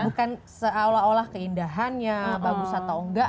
bukan seolah olah keindahannya bagus atau enggak